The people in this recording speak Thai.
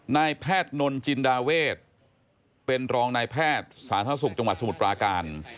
นายแพทย์นนจินดาเวทเป็นรองนายแพทย์สาธารณสุขจังหวัดสมุทรปราการ